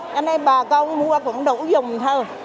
cho nên bà con mua cũng đủ dùng thôi